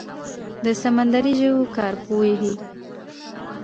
د سمندري ژویو کارپوهې